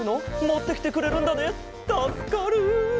もってきてくれるんだねたすかる。